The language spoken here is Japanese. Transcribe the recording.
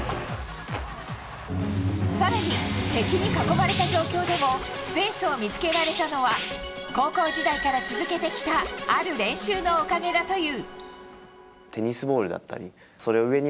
更に、敵に囲まれた状況でもスペースを見つけられたのは高校時代から続けてきたある練習のおかげだという。